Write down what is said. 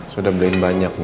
saya udah beliin banyak nih